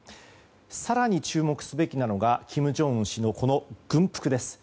更に注目すべきなのが金正恩氏の軍服です。